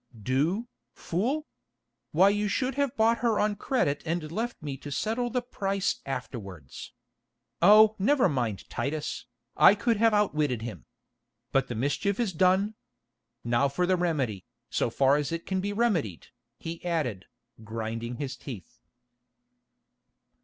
"Do, fool? Why you should have bought her on credit and left me to settle the price afterwards. Oh! never mind Titus, I could have outwitted him. But the mischief is done; now for the remedy, so far as it can be remedied," he added, grinding his teeth.